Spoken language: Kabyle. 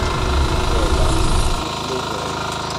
Walaɣ-k deg tliẓri.